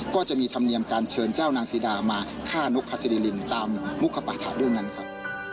ก็จะมีธรรมเนียมการเชิญเจ้านางซีดามาฆ่านกฮาสิรินตามมุขปถาเรื่องนั้นครับ